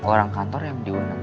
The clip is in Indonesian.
orang kantor yang diundang